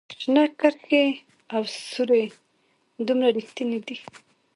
شنه کرښې او سورې دومره ریښتیني دي